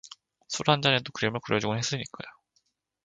술 한 잔에도 그림을 그려주곤 했으니까요